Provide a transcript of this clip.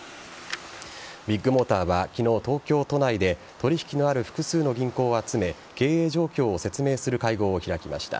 ビッグモーターは昨日、東京都内で取引のある複数の銀行を集め経営状況を説明する会合を開きました。